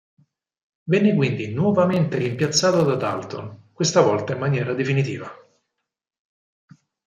Venne quindi nuovamente rimpiazzato da Dalton, questa volta in maniera definitiva.